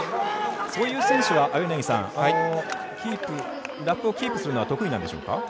そういう選手はラップをキープするのは得意なんでしょうか？